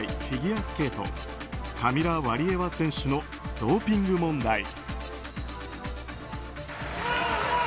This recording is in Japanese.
フィギュアスケートカミラ・ワリエワ選手のドーピング問題。